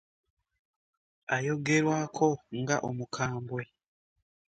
Ayogerwako nga omukambwe